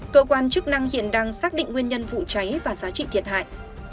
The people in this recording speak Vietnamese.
cơ quan chức năng hiện đang xác định nguyên nhân vụ cháy và giá trị thiệt hại